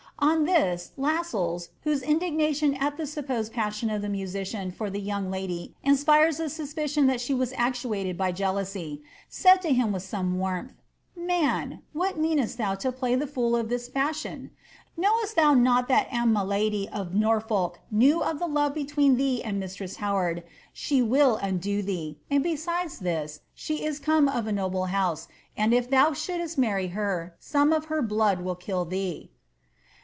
On this Lu sells (whose indignation at the supposed passion of the musician for the young lady inspires a suspicion that she was actuated by jealonsy) said to him with some warmth, ^ Man, what meanest thou to play the fool of this fiishion ? Knowest thou not that an' my lady of Norfolk knew of the love between thee and mistress Howaird, she will undo thee. And besides this she is come of a noble house, and if thou shooUit marry her some of her blood will kill thee."